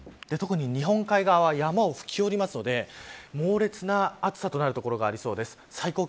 特に日本海側は山を吹き下りますので猛烈な暑さになる所がありそうです。